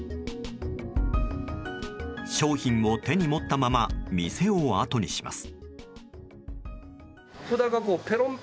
商品を手に持ったまま店をあとにします。